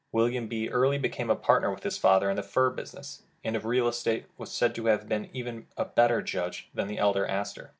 William B. early became a partner with his father in the fur business, and of real estate was said to have been even a better judge than the elder Astor.